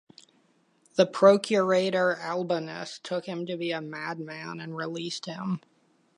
The procurator Albinus took him to be a madman and released him.